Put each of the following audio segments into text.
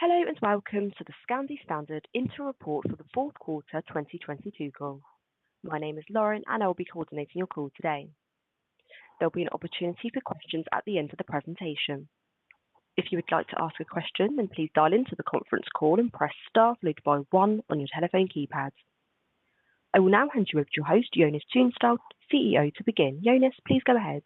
Hello, welcome to the Scandi Standard interim report for the fourth quarter 2022 call. My name is Lauren, and I will be coordinating your call today. There'll be an opportunity for questions at the end of the presentation. If you would like to ask a question, then please dial into the conference call and press star followed by one on your telephone keypad. I will now hand you over to your host, Jonas Tunestål, CEO, to begin. Jonas, please go ahead.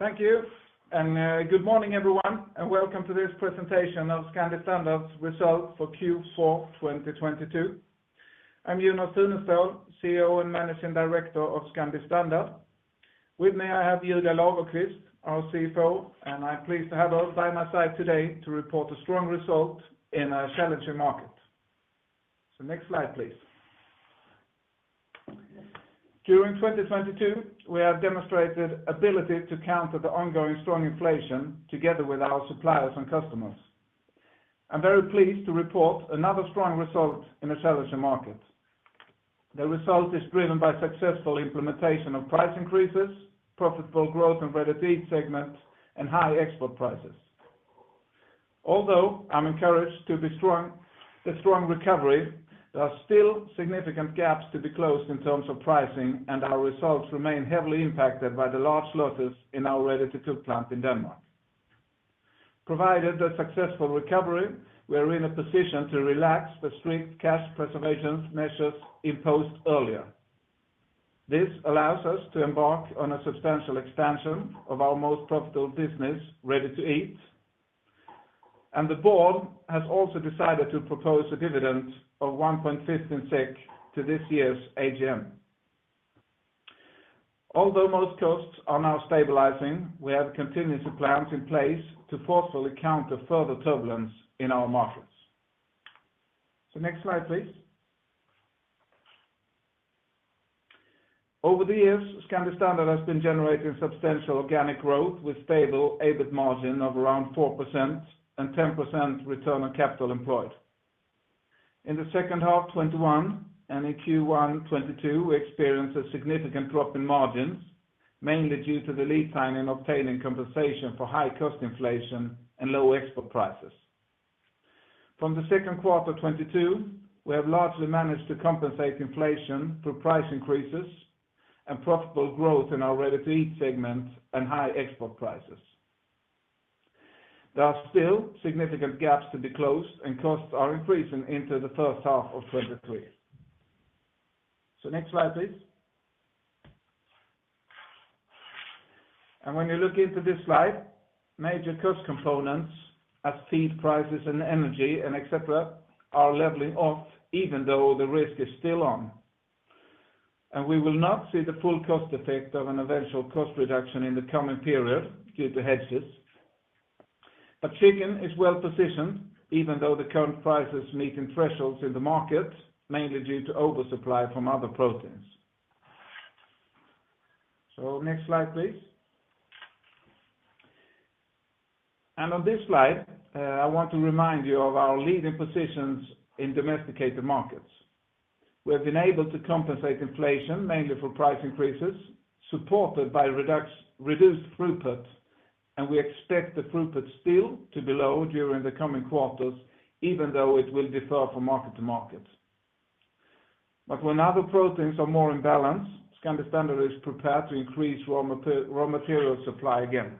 Thank you. Good morning, everyone, and welcome to this presentation of Scandi Standard's results for Q4 2022. I'm Jonas Tunestål, CEO and Managing Director of Scandi Standard. With me, I have Julia Lagerqvist, our CFO. I'm pleased to have her by my side today to report a strong result in a challenging market. Next slide, please. During 2022, we have demonstrated ability to counter the ongoing strong inflation together with our suppliers and customers. I'm very pleased to report another strong result in a challenging market. The result is driven by successful implementation of price increases, profitable growth in Ready-to-eat segment, and high export prices. Although I'm encouraged by the strong recovery, there are still significant gaps to be closed in terms of pricing, and our results remain heavily impacted by the large losses in our Ready-to-cook plant in Denmark. Provided a successful recovery, we are in a position to relax the strict cash preservation measures imposed earlier. This allows us to embark on a substantial expansion of our most profitable business, Ready-to-eat. The Board has also decided to propose a dividend of 1.15 SEK to this year's AGM. Although most costs are now stabilizing, we have contingency plans in place to forcefully counter further turbulence in our markets. Next slide, please. Over the years, Scandi Standard has been generating substantial organic growth with stable EBIT margin of around 4% and 10% return on capital employed. In the second half 2021 and in Q1 2022, we experienced a significant drop in margins, mainly due to the lead time in obtaining compensation for high cost inflation and low export prices. From the second quarter 2022, we have largely managed to compensate inflation through price increases and profitable growth in our Ready-to-eat segment and high export prices. There are still significant gaps to be closed, costs are increasing into the first half of 2023. Next slide, please. When you look into this slide, major cost components as feed prices and energy and et cetera are leveling off even though the risk is still on. We will not see the full cost effect of an eventual cost reduction in the coming period due to hedges. Chicken is well-positioned, even though the current prices meeting thresholds in the market, mainly due to oversupply from other proteins. Next slide, please. On this slide, I want to remind you of our leading positions in domesticated markets. We have been able to compensate inflation, mainly for price increases, supported by reduced throughput, and we expect the throughput still to be low during the coming quarters, even though it will differ from market to market. When other proteins are more in balance, Scandi Standard is prepared to increase raw material supply again.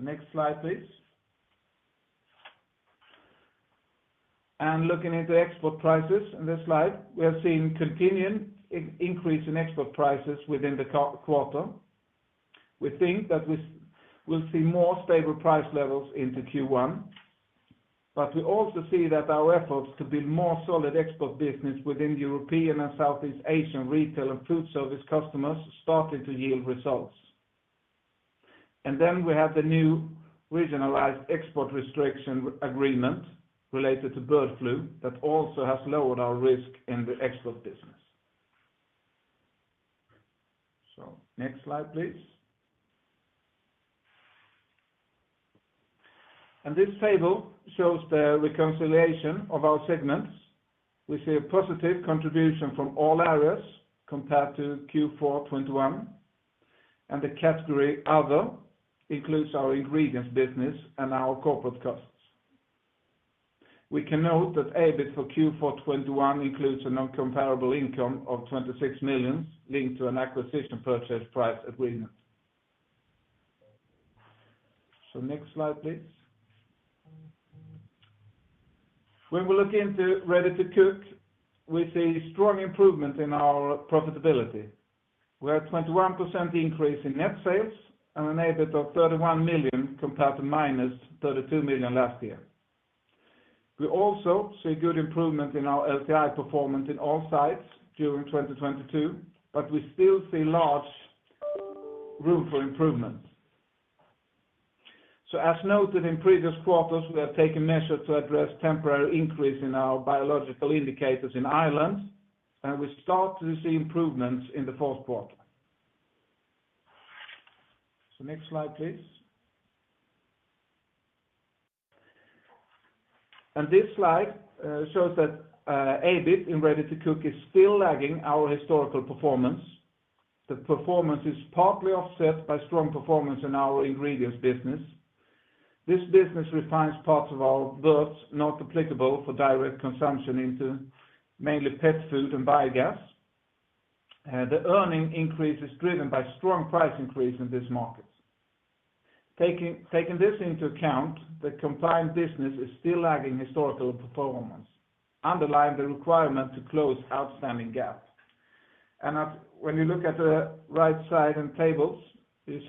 Next slide, please. Looking into export prices in this slide, we have seen continued increase in export prices within the quarter. We think that we'll see more stable price levels into Q1, We also see that our efforts to build more solid export business within European and Southeast Asian retail and food service customers starting to yield results. We have the new regionalized export restriction agreement related to bird flu that also has lowered our risk in the export business. Next slide, please. This table shows the reconciliation of our segments. We see a positive contribution from all areas compared to Q4 2021, The category Other includes our Ingredients business and our corporate costs. We can note that EBIT for Q4 2021 includes a non-comparable income of 26 million linked to an acquisition purchase price agreement. Next slide, please. When we look into Ready-to-cook, we see strong improvement in our profitability. We have 21% increase in net sales and an EBIT of 31 million compared to minus 32 million last year. We also see good improvement in our LTI performance in all sites during 2022, but we still see large room for improvement. As noted in previous quarters, we have taken measures to address temporary increase in our biological indicators in Ireland, and we start to see improvements in the fourth quarter. Next slide, please. This slide shows that EBIT in Ready-to-cook is still lagging our historical performance. The performance is partly offset by strong performance in our Ingredients business. This business refines parts of our birds not applicable for direct consumption into mainly pet food and biogas. The earning increase is driven by strong price increase in this market. Taking this into account, the combined business is still lagging historical performance, underlying the requirement to close outstanding gaps. When you look at the right side in tables, you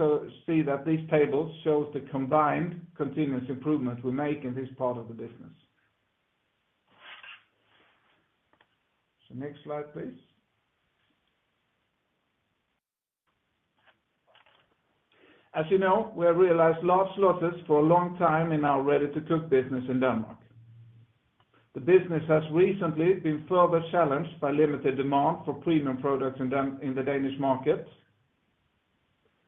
see that these tables shows the combined continuous improvement we make in this part of the business. Next slide, please. As you know, we have realized large losses for a long time in our Ready-to-cook business in Denmark. The business has recently been further challenged by limited demand for premium products in the Danish markets.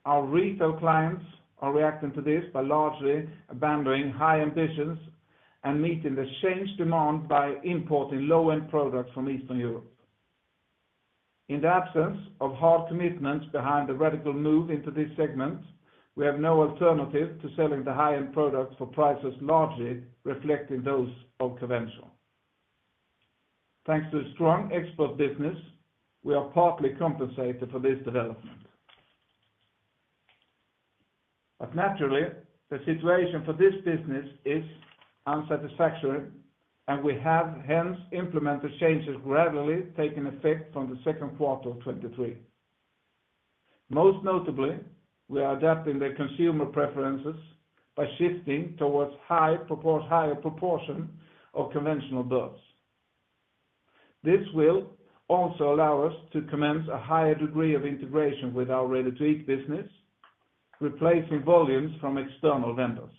Our retail clients are reacting to this by largely abandoning high ambitions and meeting the changed demand by importing low-end products from Eastern Europe. In the absence of hard commitments behind the radical move into this segment, we have no alternative to selling the high-end products for prices largely reflecting those of conventional. Thanks to a strong export business, we are partly compensated for this development. Naturally, the situation for this business is unsatisfactory, and we have hence implemented changes gradually taking effect from the second quarter of 2023. Most notably, we are adapting the consumer preferences by shifting towards higher proportion of conventional birds. This will also allow us to commence a higher degree of integration with our Ready-to-eat business, replacing volumes from external vendors.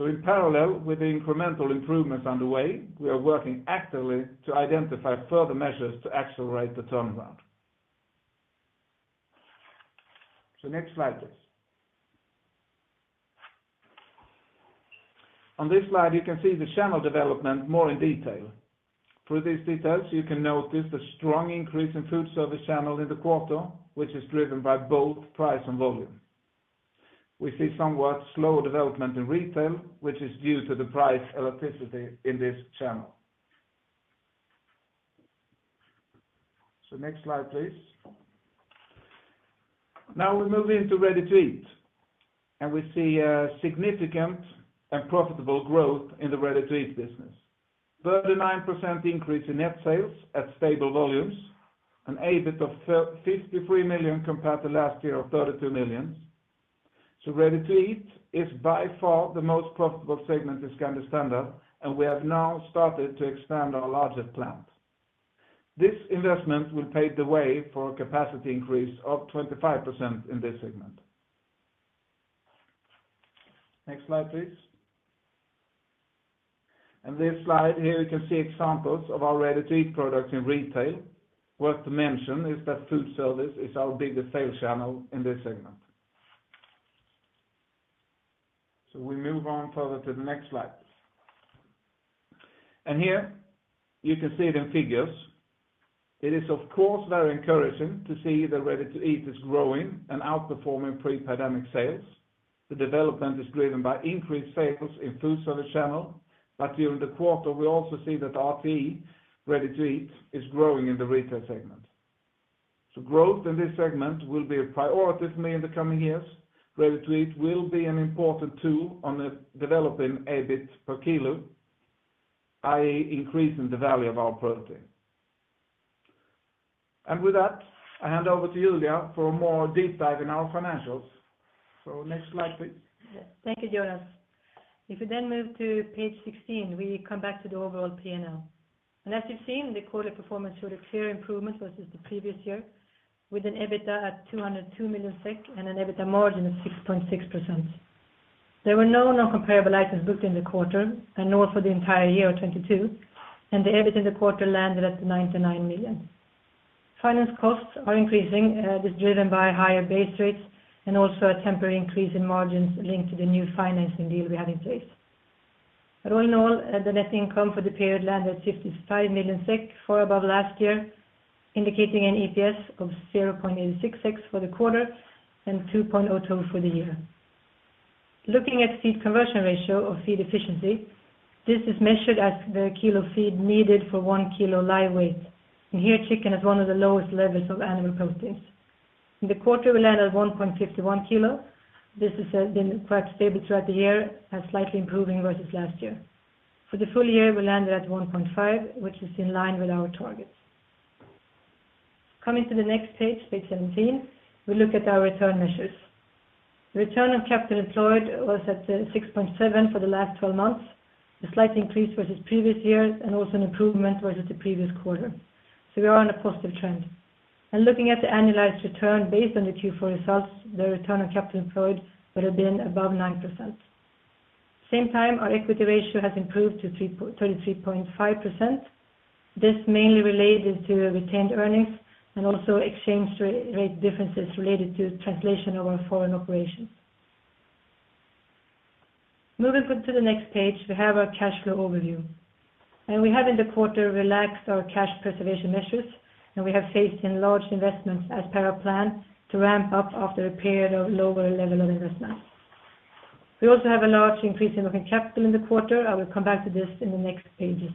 In parallel with the incremental improvements on the way, we are working actively to identify further measures to accelerate the turnaround. Next slide, please. On this slide, you can see the channel development more in detail. Through these details, you can notice the strong increase in food service channel in the quarter, which is driven by both price and volume. We see somewhat slow development in retail, which is due to the price elasticity in this channel. Next slide, please. Now we move into Ready-to-eat, we see a significant and profitable growth in the Ready-to-eat business. 39% increase in net sales at stable volumes, an EBIT of 53 million compared to last year of 32 million. Ready-to-eat is by far the most profitable segment in Scandi Standard, we have now started to expand our largest plant. This investment will pave the way for capacity increase of 25% in this segment. Next slide, please. On this slide here, you can see examples of our Ready-to-eat products in retail. Worth to mention is that food service is our biggest sales channel in this segment. We move on further to the next slide. Here you can see it in figures. It is of course, very encouraging to see that Ready-to-eat is growing and outperforming pre-pandemic sales. The development is driven by increased sales in food service channel. During the quarter, we also see that RTE, Ready-to-eat, is growing in the retail segment. Growth in this segment will be a priority for me in the coming years. Ready-to-eat will be an important tool on developing EBIT per kilo, i.e., increasing the value of our protein. With that, I hand over to Julia for a more deep dive in our financials. Next slide, please. Thank you, Jonas. If we then move to page 16, we come back to the overall P&L. As you've seen, the quarter performance showed a clear improvement versus the previous year with an EBITDA at 202 million SEK and an EBITDA margin of 6.6%. There were no non-comparable items booked in the quarter and also the entire year of 2022, and the EBIT in the quarter landed at 99 million. Finance costs are increasing. This is driven by higher base rates and also a temporary increase in margins linked to the new financing deal we have in place. All in all, the net income for the period landed at 55 million SEK, far above last year, indicating an EPS of 0.86 for the quarter and 2.02 for the year. Looking at feed conversion ratio or feed efficiency, this is measured as the kilo feed needed for 1 kg live weight. Here, chicken has one of the lowest levels of animal proteins. In the quarter, we landed at 1.51 kg. This has been quite stable throughout the year and slightly improving versus last year. For the full year, we landed at 1.5, which is in line with our targets. Coming to the next page 17, we look at our return measures. The return on capital employed was at 6.7% for the last 12 months. A slight increase versus previous years and also an improvement versus the previous quarter. We are on a positive trend. Looking at the annualized return based on the Q4 results, the return on capital employed would have been above 9%. Same time, our equity ratio has improved to 33.5%. This mainly related to retained earnings and also exchange rate differences related to translation of our foreign operations. Moving on to the next page, we have our cash flow overview. We have in the quarter relaxed our cash preservation measures. We have faced enlarged investments as per our plan to ramp up after a period of lower level of investment. We also have a large increase in working capital in the quarter. I will come back to this in the next pages.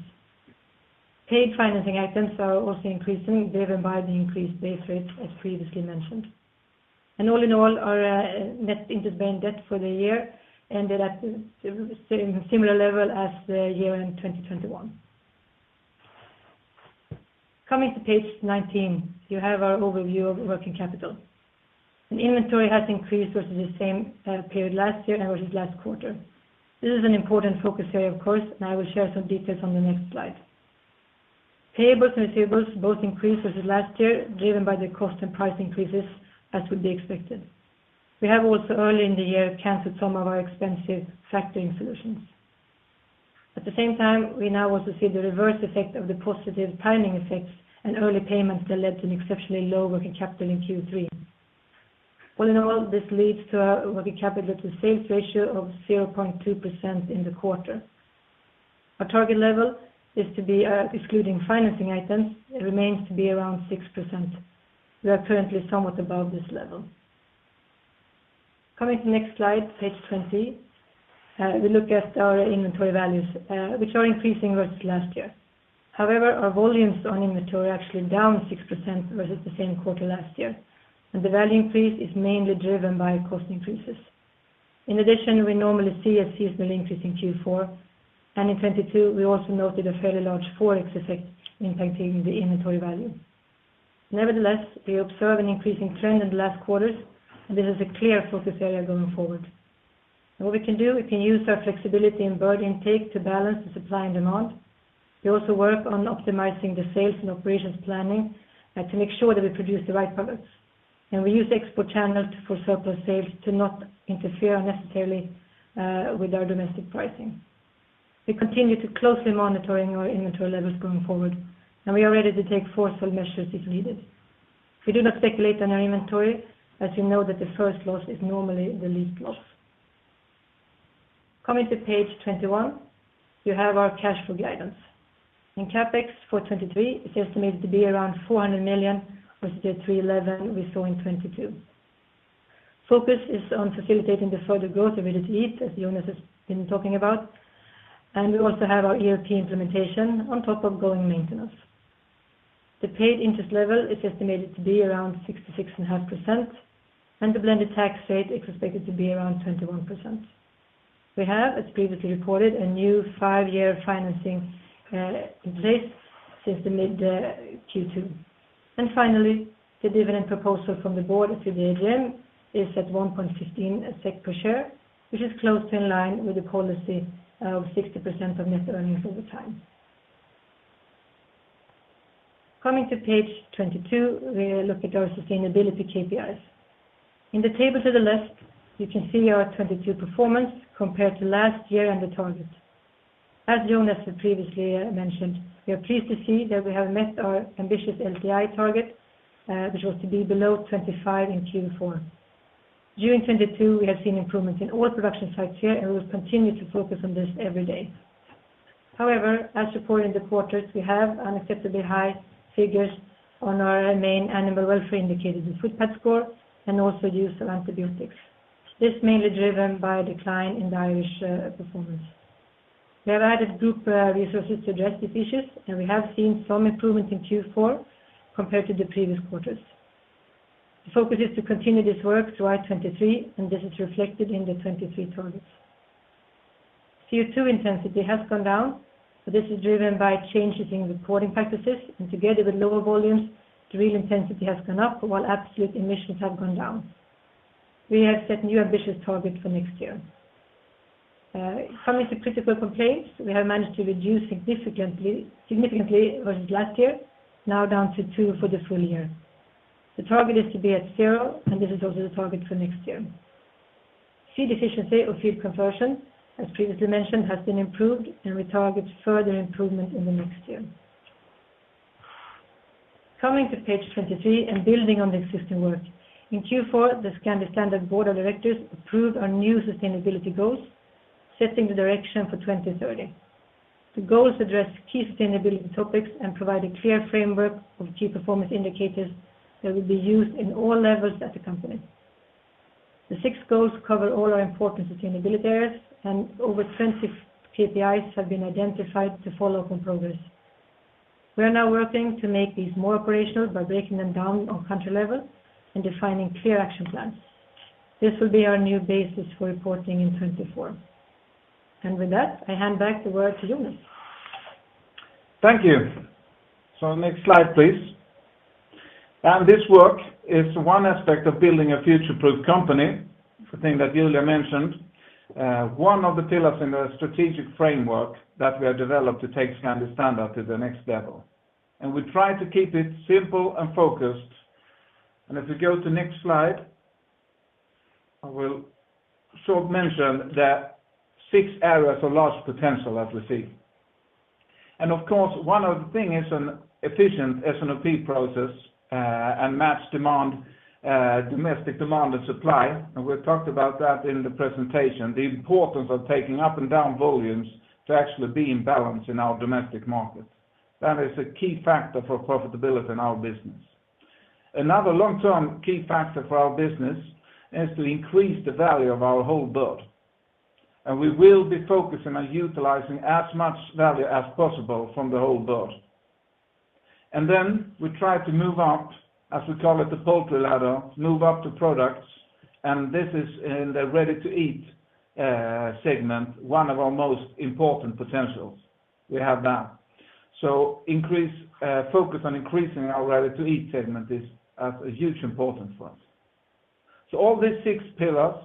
Paid financing items are also increasing, driven by the increased base rates, as previously mentioned. All in all, our net interest-bearing debt for the year ended at a similar level as the year end 2021. Coming to page 19, you have our overview of working capital. The inventory has increased versus the same period last year and versus last quarter. This is an important focus area, of course, and I will share some details on the next slide. Payables and receivables both increased versus last year, driven by the cost and price increases as would be expected. We have also early in the year canceled some of our expensive factoring solutions. At the same time, we now also see the reverse effect of the positive timing effects and early payments that led to an exceptionally low working capital in Q3. All in all, this leads to a working capital to sales ratio of 0.2% in the quarter. Our target level is to be, excluding financing items, it remains to be around 6%. We are currently somewhat above this level. Coming to the next slide, page 20, we look at our inventory values, which are increasing versus last year. Our volumes on inventory are actually down 6% versus the same quarter last year, and the value increase is mainly driven by cost increases. We normally see a seasonal increase in Q4, and in 2022, we also noted a fairly large Forex effect impacting the inventory value. We observe an increasing trend in the last quarters, and this is a clear focus area going forward. What we can do, we can use our flexibility in bird intake to balance the supply and demand. We also work on optimizing the sales and operations planning to make sure that we produce the right products. We use export channels for surplus sales to not interfere necessarily with our domestic pricing. We continue to closely monitoring our inventory levels going forward, and we are ready to take forceful measures if needed. We do not speculate on our inventory as we know that the first loss is normally the least loss. Coming to page 21, you have our cash flow guidance. In CapEx for 2023, it's estimated to be around 400 million versus the 311 million we saw in 2022. Focus is on facilitating the further growth of Ready-to-eat, as Jonas has been talking about. We also have our ERP implementation on top of going maintenance. The paid interest level is estimated to be around 66.5%, and the blended tax rate is expected to be around 21%. We have, as previously reported, a new five-year financing in place since the mid Q2. Finally, the dividend proposal from the Board to the AGM is at 1.15 SEK per share, which is close to in line with the policy of 60% of net earnings over time. Coming to page 22, we look at our sustainability KPIs. In the table to the left, you can see our 2022 performance compared to last year and the targets. As Jonas had previously mentioned, we are pleased to see that we have met our ambitious LTI target, which was to be below 25 in Q4. During 2022, we have seen improvements in all production sites here, and we will continue to focus on this every day. However, as reported in the quarters, we have unacceptably high figures on our main animal welfare indicators, the foot pad score, and also use of antibiotics. This is mainly driven by a decline in the Irish performance. We have added group resources to address these issues, and we have seen some improvement in Q4 compared to the previous quarters. The focus is to continue this work throughout 2023, and this is reflected in the 2023 targets. CO2 intensity has gone down, but this is driven by changes in reporting practices and together with lower volumes, the real intensity has gone up while absolute emissions have gone down. We have set new ambitious targets for next year. Coming to critical complaints, we have managed to reduce significantly versus last year, now down to 2 for the full year. The target is to be at 0, and this is also the target for next year. Feed efficiency or feed conversion, as previously mentioned, has been improved, and we target further improvement in the next year. Coming to page 23 and building on the existing work. In Q4, the Scandi Standard Board of Directors approved our new sustainability goals, setting the direction for 2030. The goals address key sustainability topics and provide a clear framework of key performance indicators that will be used in all levels at the company. The six goals cover all our important sustainability areas, and over 20 KPIs have been identified to follow up on progress. We are now working to make these more operational by breaking them down on country level and defining clear action plans. This will be our new basis for reporting in 2024. With that, I hand back the word to Jonas. Thank you. Next slide, please. This work is one aspect of building a future-proof company, the thing that Julia mentioned, one of the pillars in the strategic framework that we have developed to take Scandi Standard to the next level. We try to keep it simple and focused. If we go to next slide. I will sort of mention that six areas of large potential that we see. Of course, one of the thing is an efficient S&OP process, and match demand, domestic demand and supply. We've talked about that in the presentation, the importance of taking up and down volumes to actually be in balance in our domestic markets. That is a key factor for profitability in our business. Another long-term key factor for our business is to increase the value of our whole bird. We will be focusing on utilizing as much value as possible from the whole bird. We try to move up, as we call it, the poultry ladder, move up to products, and this is in the Ready-to-eat segment, one of our most important potentials we have now. Increase focus on increasing our Ready-to-eat segment has a huge importance for us. All these six pillars,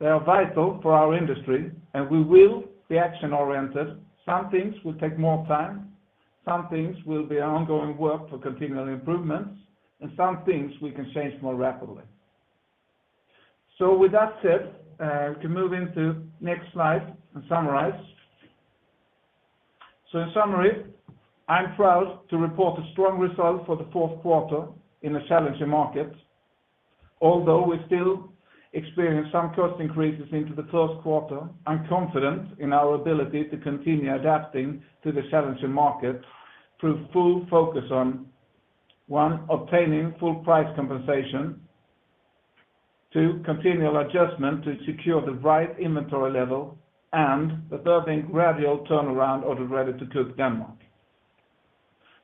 they are vital for our industry, and we will be action-oriented. Some things will take more time, some things will be ongoing work for continual improvements, and some things we can change more rapidly. With that said, we can move into next slide and summarize. In summary, I'm proud to report a strong result for the fourth quarter in a challenging market. Although we still experience some cost increases into the first quarter, I'm confident in our ability to continue adapting to the challenging market through full focus on, one, obtaining full price compensation. Two, continual adjustment to secure the right inventory level. The third thing, gradual turnaround of the Ready-to-cook Denmark.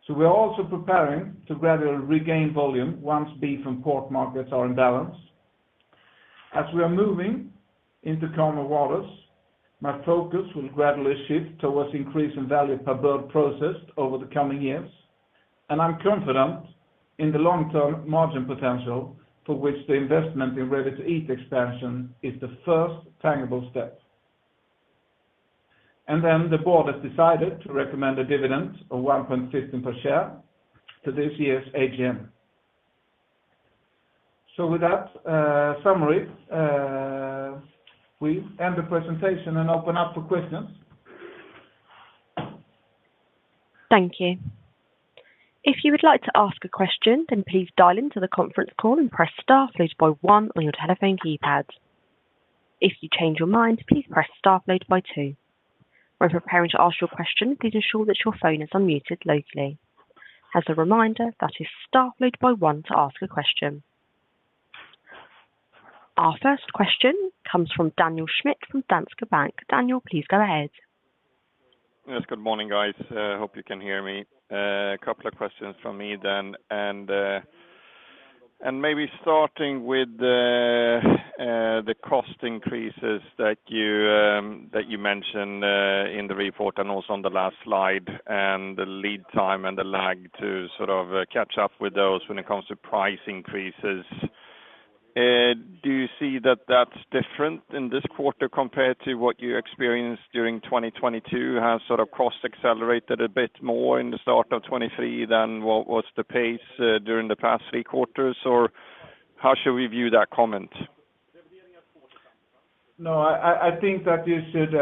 We are also preparing to gradually regain volume once beef and pork markets are in balance. As we are moving into calmer waters, my focus will gradually shift towards increasing value per bird processed over the coming years, and I'm confident in the long-term margin potential for which the investment in Ready-to-eat expansion is the first tangible step. The Board has decided to recommend a dividend of 1.15 per share to this year's AGM. With that summary, we end the presentation and open up for questions. Thank you. If you would like to ask a question, then please dial into the conference call and press star followed by one on your telephone keypad. If you change your mind, please press star followed by two. When preparing to ask your question, please ensure that your phone is unmuted locally. As a reminder, that is star followed by one to ask a question. Our first question comes from Daniel Schmidt from Danske Bank. Daniel, please go ahead. Yes. Good morning, guys. Hope you can hear me. A couple of questions from me then. Maybe starting with the cost increases that you mention in the report and also on the last slide, and the lead time and the lag to sort of catch up with those when it comes to price increases. Do you see that that's different in this quarter compared to what you experienced during 2022? Have sort of costs accelerated a bit more in the start of 2023 than what was the pace during the past three quarters? How should we view that comment? No, I think that you should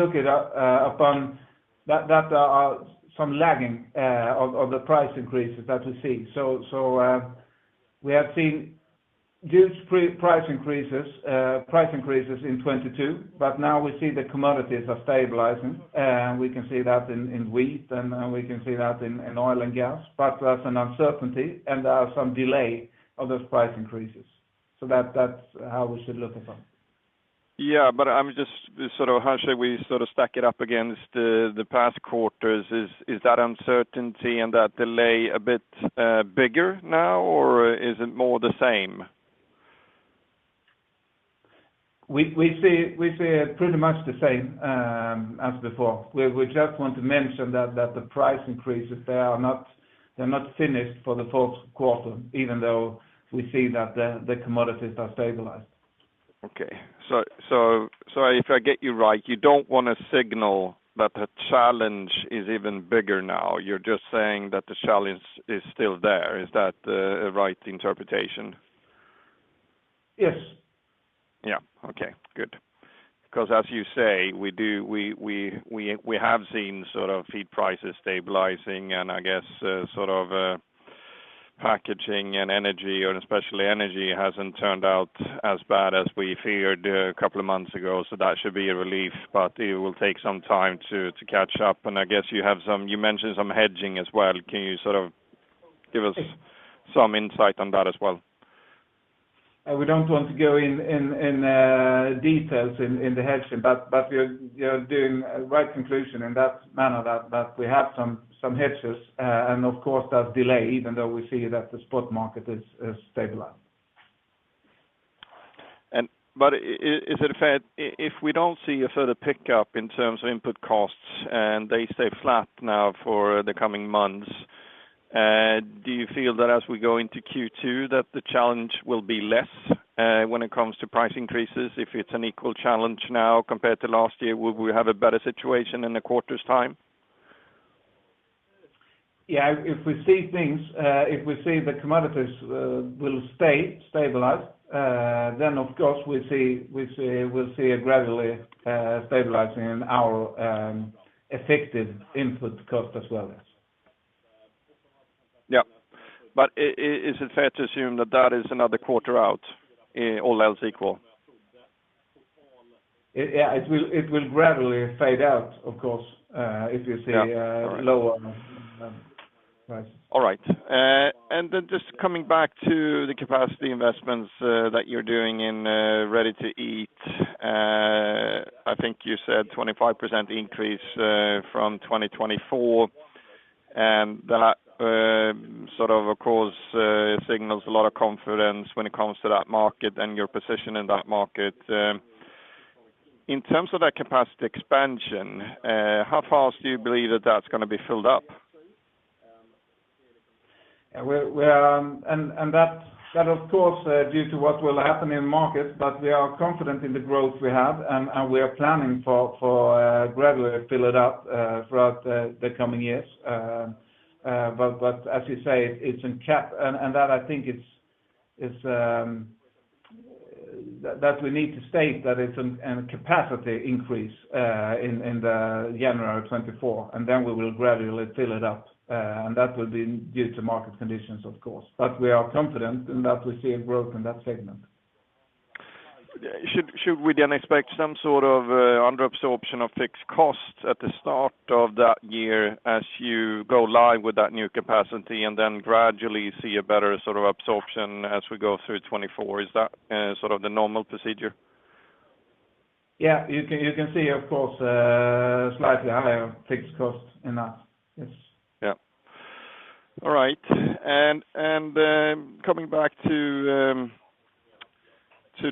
look it up upon that some lagging of the price increases that we see. We have seen huge price increases, price increases in 2022, but now we see the commodities are stabilizing, and we can see that in wheat, and we can see that in oil and gas. There's an uncertainty, and there are some delay of those price increases. That's how we should look upon. Yeah. I'm just sort of how should we sort of stack it up against the past quarters? Is that uncertainty and that delay a bit bigger now, or is it more the same? We see it pretty much the same as before. We just want to mention that the price increases, they're not finished for the fourth quarter, even though we see that the commodities are stabilized. Okay. If I get you right, you don't wanna signal that the challenge is even bigger now. You're just saying that the challenge is still there. Is that a right interpretation? Yes. Yeah. Okay, good. As you say, we have seen sort of feed prices stabilizing and I guess sort of packaging and energy, or especially energy, hasn't turned out as bad as we feared a couple of months ago. That should be a relief, but it will take some time to catch up. I guess you mentioned some hedging as well. Can you sort of give us some insight on that as well? We don't want to go in details in the hedging, but you're doing a right conclusion in that manner that we have some hedges. Of course that delay, even though we see that the spot market is stabilized. Is it fair if we don't see a further pickup in terms of input costs and they stay flat now for the coming months, do you feel that as we go into Q2 that the challenge will be less when it comes to price increases? If it's an equal challenge now compared to last year, will we have a better situation in a quarter's time? If we see things, if we see the commodities will stay stabilized, then of course we'll see it gradually stabilizing in our effective input cost as well as. Yeah. Is it fair to assume that that is another quarter out in all else equal? Yeah, it will gradually fade out, of course, if you see a lower price. All right. Just coming back to the capacity investments that you're doing in Ready-to-eat. I think you said 25% increase from 2024. That sort of of course signals a lot of confidence when it comes to that market and your position in that market. In terms of that capacity expansion, how fast do you believe that that's going to be filled up? Yeah. We're that of course, due to what will happen in markets, but we are confident in the growth we have and we are planning for gradually fill it up throughout the coming years. But as you say, it's in That we need to state that it's an capacity increase in the January of 2024, and then we will gradually fill it up. That will be due to market conditions, of course. But we are confident in that we see a growth in that segment. Should we then expect some sort of under absorption of fixed costs at the start of that year as you go live with that new capacity, and then gradually see a better sort of absorption as we go through 24? Is that sort of the normal procedure? Yeah. You can see of course, slightly higher fixed costs in that. Yes. Yeah. All right. Coming back to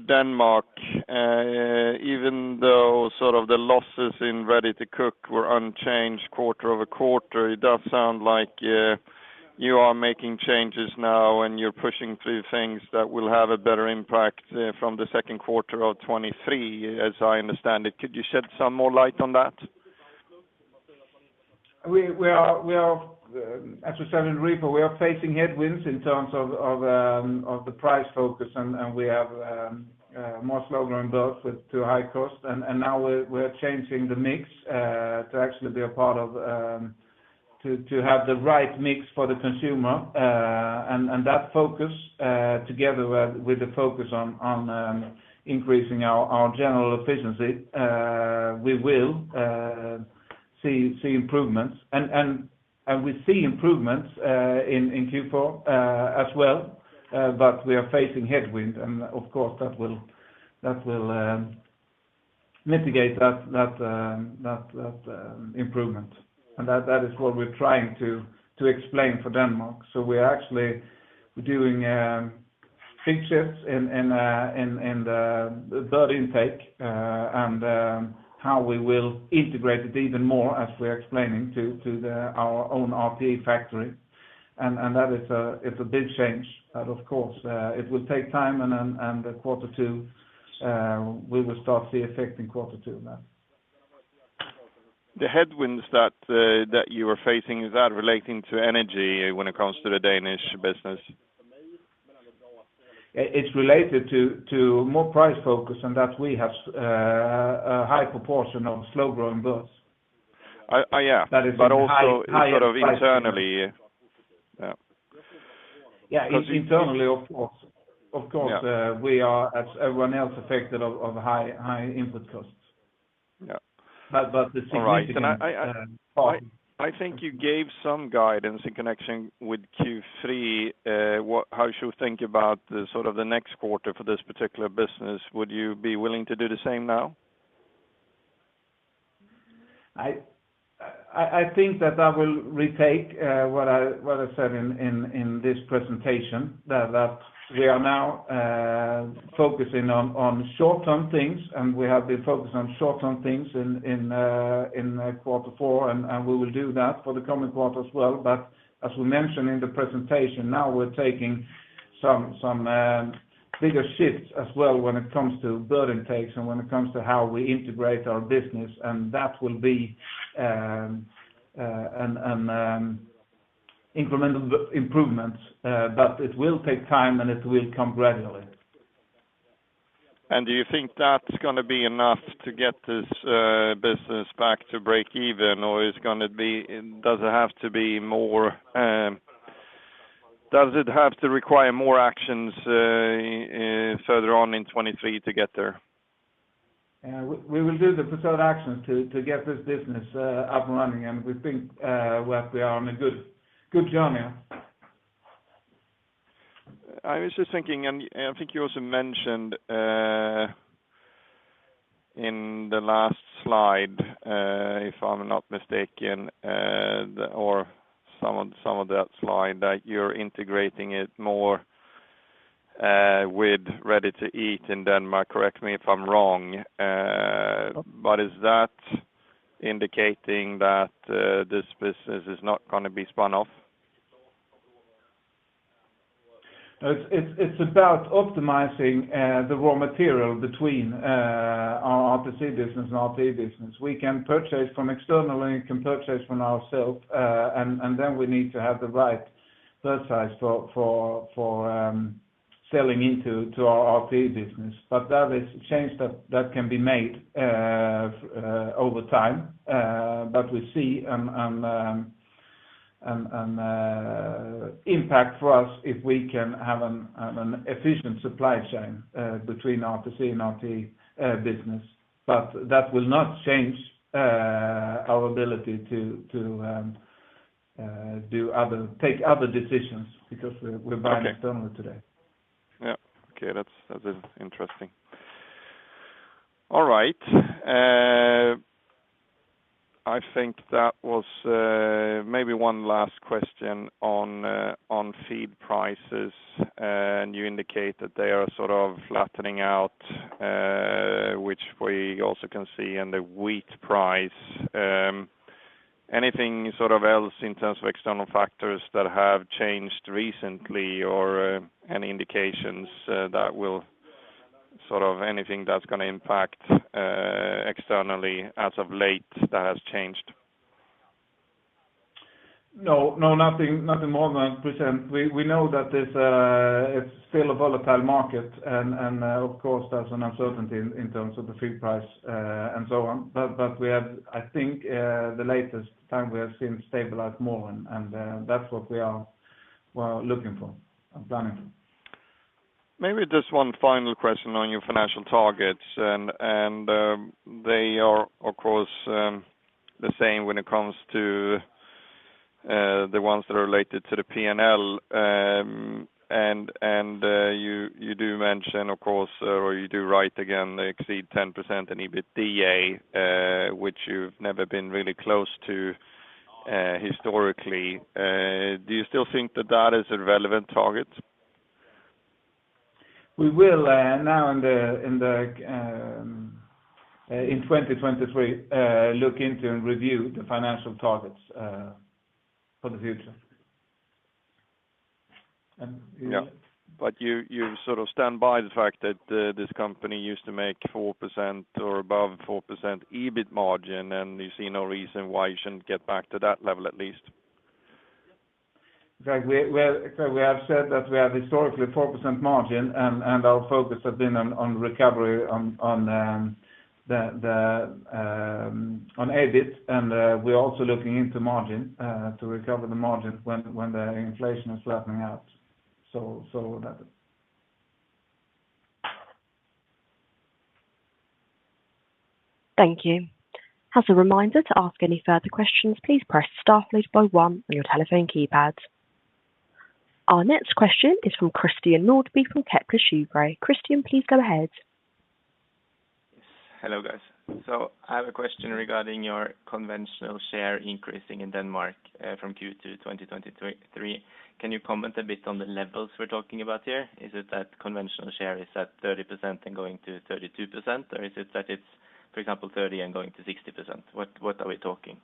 Denmark, even though sort of the losses in Ready-to-cook were unchanged quarter-over-quarter, it does sound like you are making changes now, and you're pushing through things that will have a better impact from the second quarter of 2023, as I understand it. Could you shed some more light on that? We are as we said in report, we are facing headwinds in terms of the price focus and we have more slower growing birds with too high cost. Now we're changing the mix to actually be a part of to have the right mix for the consumer. That focus together with the focus on increasing our general efficiency, we will see improvements. We see improvements in Q4 as well, but we are facing headwind. Of course, that will mitigate that improvement. That is what we're trying to explain for Denmark. We are actually doing big shifts in the bird intake, and how we will integrate it even more as we're explaining to the our own RTE factory. It's a big change that of course, it will take time and then quarter two, we will start to see effect in quarter two now. The headwinds that you are facing, is that relating to energy when it comes to the Danish business? It's related to more price focus, that we have a high proportion of slow-growing birds. Yeah. That is in higher. Also sort of internally. Yeah. Yeah. internally, of course. Yeah We are, as everyone else, affected of high input costs. Yeah. But, but the significant. All right. I think you gave some guidance in connection with Q3, how you think about the sort of the next quarter for this particular business. Would you be willing to do the same now? I think that will retake what I said in this presentation. That we are now focusing on short-term things, and we have been focusing on short-term things in quarter four, and we will do that for the coming quarter as well. As we mentioned in the presentation, now we're taking some bigger shifts as well when it comes to bird intakes and when it comes to how we integrate our business. That will be an incremental improvements, but it will take time, and it will come gradually. Do you think that's going to be enough to get this business back to break even, or it's going to be, does it have to be more, does it have to require more actions further on in 2023 to get there? We will do the preferred actions to get this business up and running, and we think we are on a good journey. I was just thinking. I think you also mentioned in the last slide, if I'm not mistaken, or some of that slide, that you're integrating it more with Ready-to-eat in Denmark. Correct me if I'm wrong. Is that indicating that this business is not going to be spun off? It's about optimizing the raw material between our RTC business and our RTE business. We can purchase from external and we can purchase from ourselves, and then we need to have the right size for selling into our RTE business. That is change that can be made over time. We see impact for us if we can have an efficient supply chain between our RTC and our RTE business. That will not change our ability to take other decisions because we're buying external today. Yeah. Okay. That's, that is interesting. All right. I think that was, maybe one last question on feed prices. You indicate that they are sort of flattening out, which we also can see in the wheat price. Anything sort of else in terms of external factors that have changed recently or, any indications, Sort of anything that's going to impact, externally as of late that has changed? No, nothing more than at present. We know that it's still a volatile market and of course there's an uncertainty in terms of the feed price and so on. We have I think the latest time we have seen stabilize more and that's what we are looking for and planning for. Maybe just one final question on your financial targets and, they are of course, the same when it comes to the ones that are related to the P&L. You do mention of course, or you do write again, they exceed 10% in EBITDA, which you've never been really close to, historically. Do you still think that is a relevant target? We will now in the, in 2023, look into and review the financial targets for the future. Yeah. You sort of stand by the fact that this company used to make 4% or above 4% EBIT margin, and you see no reason why you shouldn't get back to that level at least. In fact, we have said that we have historically 4% margin and our focus has been on recovery on the EBIT. We're also looking into margin to recover the margin when the inflation is flattening out. That. Thank you. As a reminder to ask any further questions, please press star followed by one on your telephone keypads. Our next question is from Christian Nordby, from Kepler Cheuvreux. Christian, please go ahead. Yes, hello guys. I have a question regarding your conventional share increasing in Denmark from Q2 2023. Can you comment a bit on the levels we're talking about here? Is it that conventional share is at 30% and going to 32%, or is it that it's, for example, 30% and going to 60%? What are we talking?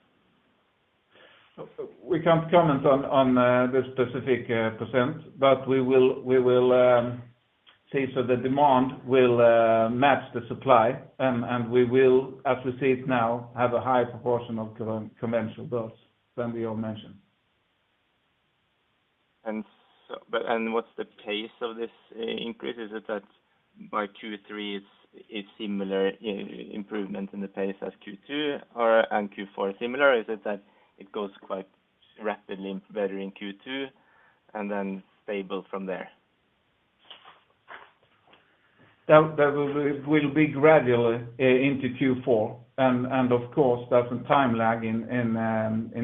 We can't comment on the specific percent. We will see so the demand will match the supply. We will as we see it now, have a high proportion of conventional birds than we all mentioned. What's the pace of this increase? Is it that by Q3 it's similar improvement in the pace as Q2 or Q4 similar? Is it that it goes quite rapidly better in Q2 and then stable from there? That will be gradually into Q4 and of course there's some time lag in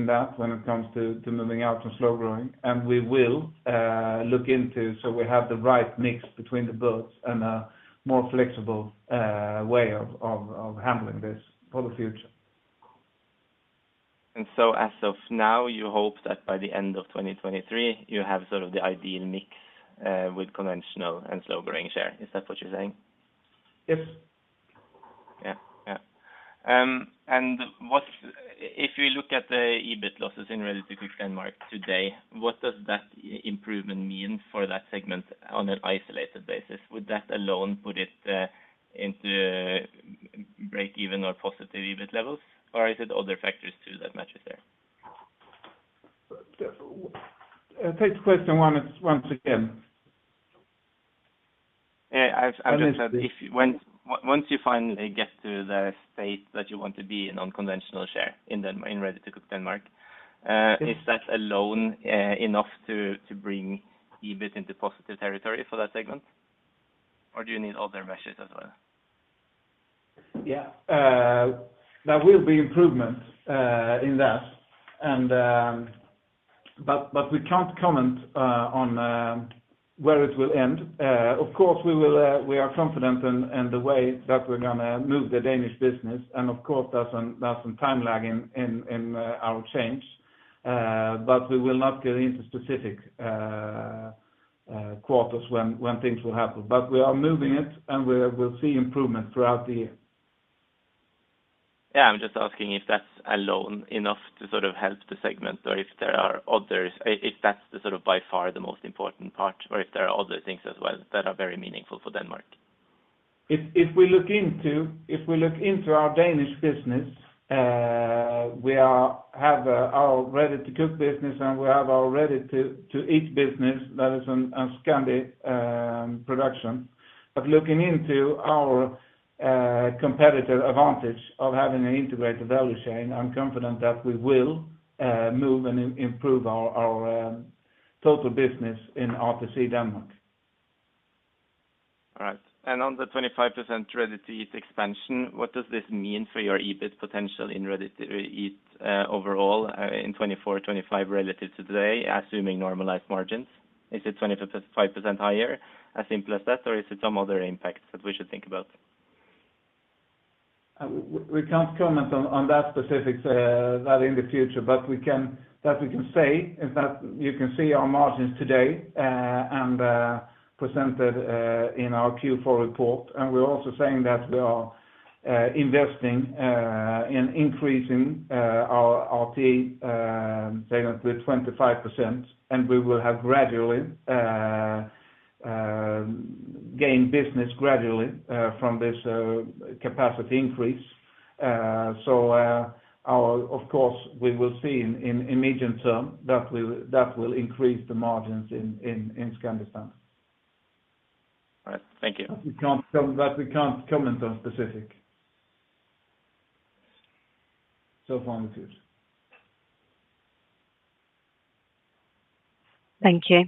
that when it comes to moving out and slow growing. We will look into, so we have the right mix between the birds and a more flexible way of handling this for the future. As of now, you hope that by the end of 2023 you have sort of the ideal mix with conventional and slow growing share. Is that what you're saying? Yes. Yeah. Yeah. If you look at the EBIT losses in Ready-to-cook Denmark today, what does that improvement mean for that segment on an isolated basis? Would that alone put it into break even or positive EBIT levels, or is it other factors too that matches there? Take the question once again. Yeah. I've just said once you finally get to the state that you want to be in unconventional share in Ready-to-cook Denmark, is that alone enough to bring EBIT into positive territory for that segment, or do you need other measures as well? There will be improvements in that. We can't comment on where it will end. Of course we will, we are confident in the way that we're going to move the Danish business and of course there's some, there's some time lag in our change. We will not get into specific quarters when things will happen. We are moving it, and we'll see improvement throughout the year. Yeah, I'm just asking if that's alone enough to sort of help the segment or if that's the sort of by far the most important part or if there are other things as well that are very meaningful for Denmark? If we look into our Danish business, we have our Ready-to-cook business, and we have our Ready-to-eat business that is on Scandi production. Looking into our competitive advantage of having an integrated value chain, I'm confident that we will move and improve our total business in RTC Denmark. All right. On the 25% Ready-to-eat expansion, what does this mean for your EBIT potential in Ready-to-eat overall in 2024, 2025 relative to today, assuming normalized margins? Is it 25% higher as simple as that? Is it some other impacts that we should think about? We can't comment on that specifics that in the future. We can say is that you can see our margins today and presented in our Q4 report. We're also saying that we are investing in increasing our RTE segment with 25%, and we will have gradually gain business gradually from this capacity increase. Of course, we will see in medium term that will increase the margins in Scandi Standard. All right. Thank you. We can't comment on specific so far in the future. Thank you.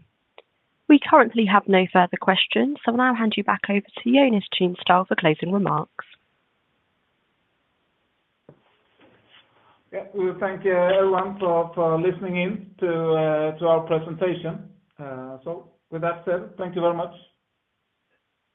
We currently have no further questions, so I'll hand you back over to Jonas Tunestål for closing remarks. Yeah. We thank everyone for listening in to our presentation. With that said, thank you very much.